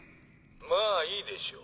まぁいいでしょう